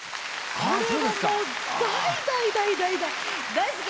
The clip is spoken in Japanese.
これはもう大大大大大好き！